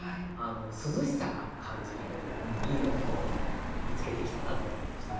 涼しさが感じられるいい音を見つけてきたなと思いました。